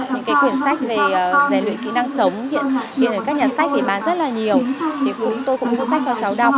những quyển sách về rèn luyện kỹ năng sống các nhà sách bán rất nhiều tôi cũng mua sách cho cháu đọc